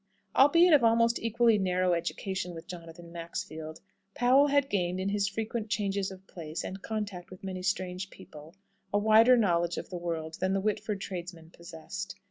Albeit of almost equally narrow education with Jonathan Maxfield, Powell had gained, in his frequent changes of place and contact with many strange people, a wider knowledge of the world than the Whitford tradesman possessed.